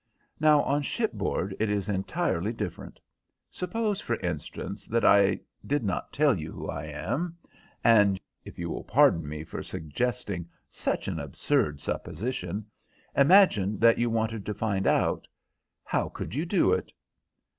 Now, on shipboard it is entirely different. Suppose, for instance, that I did not tell you who I am, and—if you will pardon me for suggesting such an absurd supposition— imagine that you wanted to find out, how could you do it?"